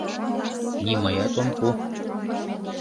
Нимаят ом пу.